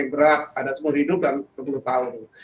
berat ada seumur hidup dan sepuluh tahun